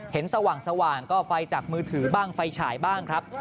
สว่างก็ไฟจากมือถือบ้างไฟฉายบ้างครับ